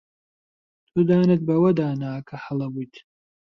تۆ دانت بەوەدا نا کە هەڵە بوویت.